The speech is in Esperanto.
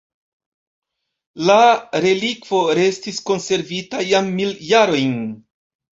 La relikvo restis konservita jam mil jarojn.